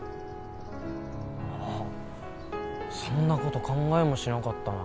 ああそんなこと考えもしなかったな。